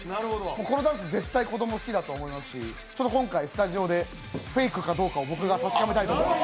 このダンス、絶対子供たち好きだと思いますし、今回スタジオでフェイクかどうかを僕が確かめたいと思います。